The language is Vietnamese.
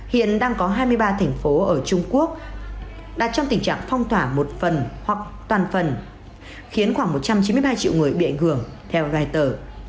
hiện đang có hai mươi ba thành phố ở trung quốc đã trong tình trạng phong tỏa một phần hoặc toàn phần khiến khoảng một trăm chín mươi hai triệu người bị ảnh hưởng theo gai tờ